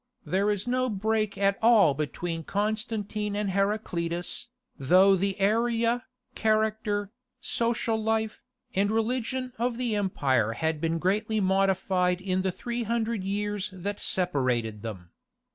There is no break at all between Constantine and Heraclius, though the area, character, social life, and religion of the empire had been greatly modified in the three hundred years that separated them.